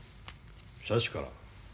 社主から？